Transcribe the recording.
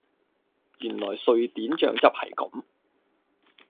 原來瑞典醬汁係咁